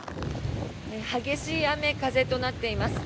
激しい雨、風となっています。